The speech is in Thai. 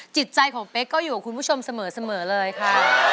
จิตใจของเป๊กก็อยู่กับคุณผู้ชมเสมอเลยค่ะ